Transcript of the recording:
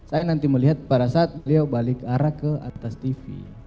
saya nanti melihat pada saat beliau balik arah ke atas tv